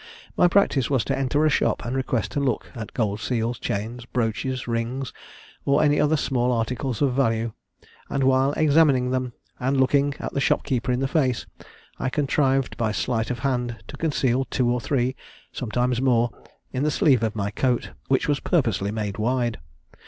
My practice was to enter a shop and request to look at gold seals, chains, brooches, rings, or any other small articles of value; and, while examining them, and looking the shopkeeper in the face, I contrived by sleight of hand to conceal two or three (sometimes more) in the sleeve of my coat, which was purposely made wide.